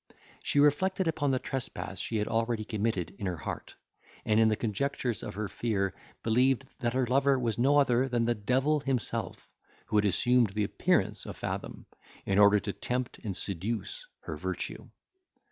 She reflected upon the trespass she had already committed in her heart, and, in the conjectures of her fear, believed that her lover was no other than the devil himself, who had assumed the appearance of Fathom, in order to tempt and seduce her virtue.